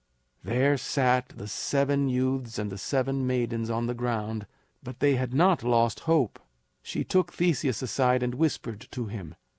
There sat the seven youths and the seven maidens on the ground, but they had not lost hope. She took Theseus aside and whispered to him.